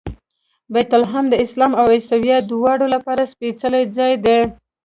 بیت لحم د اسلام او عیسویت دواړو لپاره سپېڅلی ځای دی.